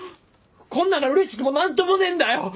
こんなのうれしくも何ともねえんだよ！